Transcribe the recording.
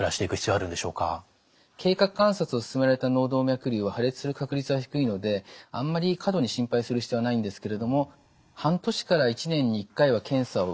経過観察をすすめられた脳動脈瘤は破裂する確率は低いのであんまり過度に心配する必要はないんですけれども半年から１年に１回は検査を受けた方がいいと思います。